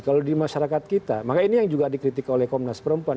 kalau di masyarakat kita maka ini yang juga dikritik oleh komnas perempuan